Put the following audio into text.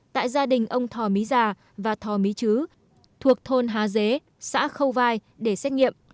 tại gia đình ông thò mý già và thò mý chứ thuộc thôn há dế xã khâu vai để xét nghiệm